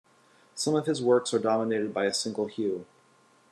Some of his works are dominated by a single hue.